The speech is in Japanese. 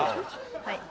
はい